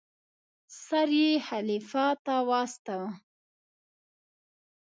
سر یې خلیفه ته واستاوه.